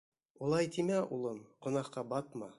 — Улай тимә, улым, гонаһҡа батма.